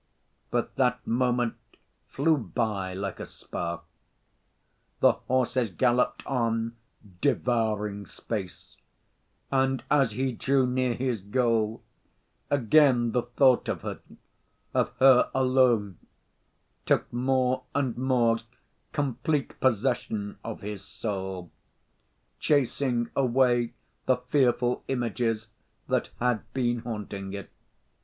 But that moment flew by like a spark. The horses galloped on, "devouring space," and as he drew near his goal, again the thought of her, of her alone, took more and more complete possession of his soul, chasing away the fearful images that had been haunting it.